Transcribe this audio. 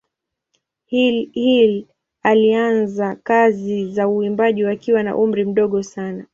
Hill alianza kazi za uimbaji wakiwa na umri mdogo sana.